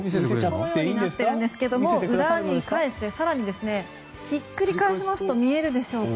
表はこうなっていますが裏に返して更に、ひっくり返しますと見えるでしょうか。